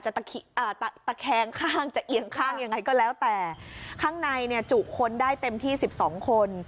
ตะแคงข้างจะเอียงข้างยังไงก็แล้วแต่ข้างในเนี่ยจุคนได้เต็มที่สิบสองคน